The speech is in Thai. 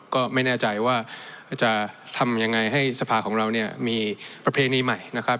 ก็ไม่แน่ใจว่าจะทำยังไงให้สภาของเราเนี่ยมีประเพณีใหม่นะครับ